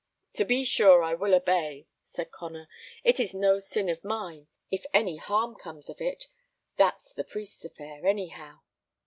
"To be sure I will obey," said Connor; "it is no sin of mine if any harm comes of it. That's the priest's affair, any how."